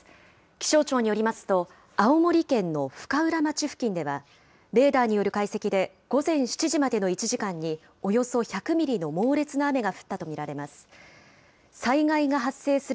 気象庁によりますと、青森県の深浦町付近では、レーダーによる解析で、午前７時までの１時間におよそ１００ミリの猛烈な雨が降ったと見られます。